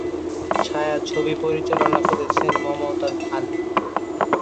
ছায়াছবিটি পরিচালনা করেছেন মমতাজ আলী।